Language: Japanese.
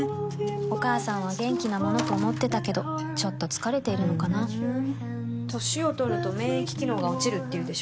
お母さんは元気なものと思ってたけどふうん歳を取ると免疫機能が落ちるっていうでしょ